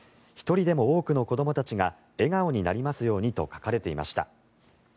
１人でも多くの子どもたちが笑顔になりますようにと書かれていました。